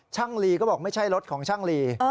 ลีก็บอกไม่ใช่รถของช่างลี